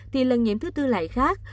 thì lần nhiễm thứ tư lại khác